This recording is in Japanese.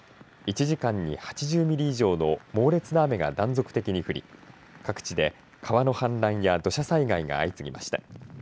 １時間に８０ミリ以上の猛烈な雨が断続的に降り各地で川の氾濫や土砂災害が相次ぎました。